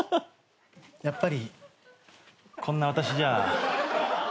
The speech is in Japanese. やっぱりこんな私じゃ嫌？